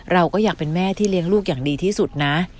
เราก็อยากเป็นแม่ที่เลี้ยงลูกอย่างดีที่สุดนะ